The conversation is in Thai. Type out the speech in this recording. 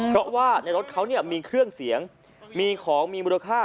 เพราะว่าในรถเขามีเครื่องเสียงมีของมีมูลค่า